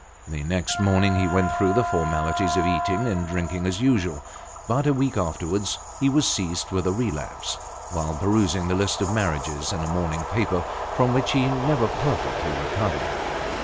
The next morning he went through the formalities of eating and drinking as usual, but a week afterwards he was seized with a relapse, while perusing the list of marriages in a morning paper, from which he never perfectly recovered.